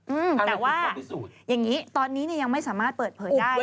อืมแต่ว่าอย่างงี้ตอนนี้เนี่ยยังไม่สามารถเปิดเผยได้